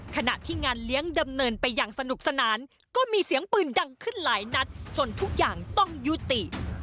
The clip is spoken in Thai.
ขณะที่งานเลี้ยงดำเนินไปอย่างสนุกสนานก็มีเสียงปืนดังขึ้นหลายนัดจนทุกอย่างต้องยุติ